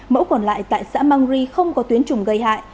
mẫu còn lại tại xã mangri không có tuyến trùng gây hại